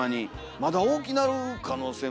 まだ大きなる可能性も。